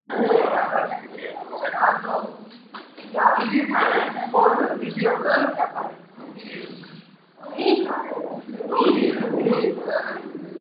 სათაურები ასომთავრულითაა შესრულებული, ზოგჯერ წითელი მელნით.